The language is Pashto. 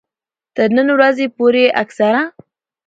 تر نن ورځې پورې اکثره